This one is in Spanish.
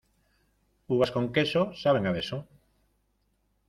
Uvas con queso saben a beso.